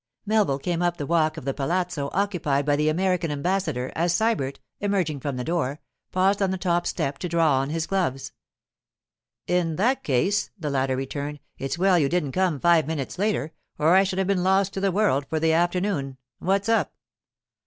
Melville came up the walk of the palazzo occupied by the American ambassador as Sybert, emerging from the door, paused on the top step to draw on his gloves. 'In that case,' the latter returned, 'it's well you didn't come five minutes later, or I should have been lost to the world for the afternoon. What's up?